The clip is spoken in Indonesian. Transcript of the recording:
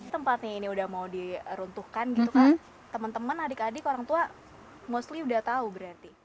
tempat ini udah mau diruntuhkan gitu kan temen temen adik adik orangtua mostly udah tau berarti